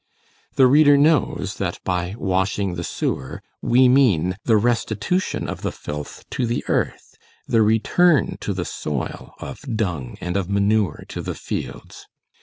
The reader knows, that by "washing the sewer" we mean: the restitution of the filth to the earth; the return to the soil of dung and of manure to the fields.